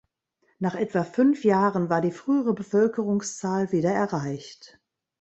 Nach etwa fünf Jahren war die frühere Bevölkerungszahl wieder erreicht.